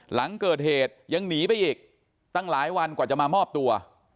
หลังเกิดเหตุยังหนีไปอีกตั้งหลายวันกว่าจะมามอบตัว